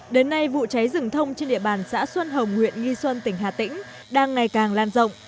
đến nay vụ cháy rừng thông trên địa bàn xã xuân hồng huyện nghi xuân tỉnh hà tĩnh đang ngày càng lan rộng